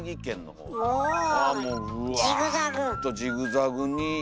ほんとジグザグに。